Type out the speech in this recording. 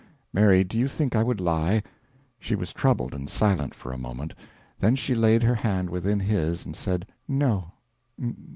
"Mary, do you think I would lie?" She was troubled and silent for a moment, then she laid her hand within his and said: "No...